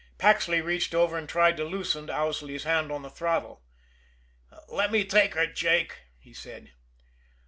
Paxley reached over and tried to loosen Owsley's hand on the throttle. "Let me take her, Jake," he said.